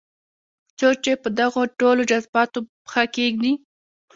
څوک چې په دغو ټولو جذباتو پښه کېږدي.